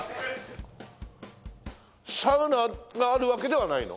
サウナがあるわけではないの？